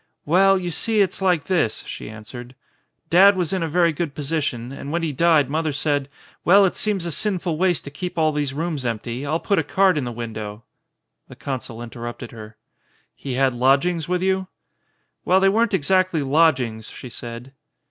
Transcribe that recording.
"Well, you see, it's like this," she answered. *'Dad was in a very good position, and when he died mother said: 'Well, it seems a sinful waste to keep all these rooms empty, I'll put a card in the window.' " The consul interrupted her. "He had lodgings with you?" "Well, they weren't exactly lodgings," she said.